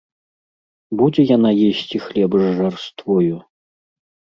Будзе яна есці хлеб з жарствою?!